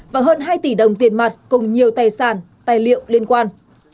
và hơn hai tỷ đồng tiền mặt cùng nhiều tài sản tài liệu liên quan